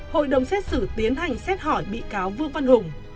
hội đồng xét xử tiến hành xét hỏi bị cáo vương văn hùng